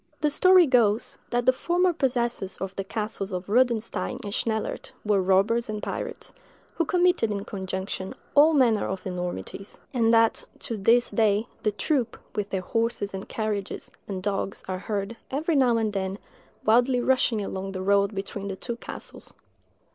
The story goes, that the former possessors of the castles of Rodenstein and Schnellert were robbers and pirates, who committed, in conjunction, all manner of enormities; and that, to this day, the troop, with their horses and carriages, and dogs, are heard, every now and then, wildly rushing along the road between the two castles.